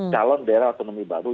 talon daerah otonomi baru